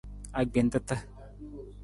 Agbentata.